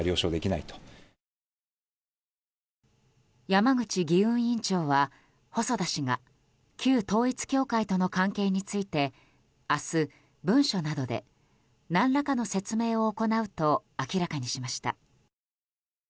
山口議運委員長は、細田氏が旧統一教会との関係について明日、文書などで何らかの説明を行うと明らかにしました。